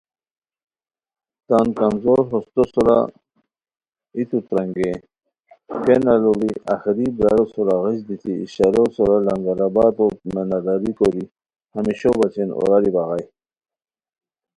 تان کمزور ہوستو سورا ایتو ترانگئے کینہ لوڑی آخری برارو سورا غیچ دیتی اشارو سورا لنگرآبادوت مینہ داری کوری ہمیشو بچین اوراری بغائے